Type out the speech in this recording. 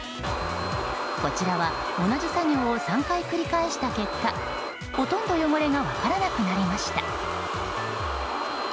こちらは同じ作業を３回繰り返した結果ほとんど汚れが分からなくなりました。